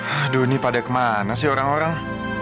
aduh ini pada kemana sih orang orang